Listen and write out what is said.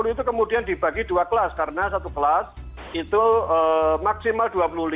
sepuluh itu kemudian dibagi dua kelas karena satu kelas itu maksimal dua puluh lima